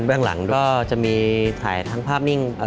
เรื่องหลังก็จะมีถ่ายทั้งภาพนิ่ง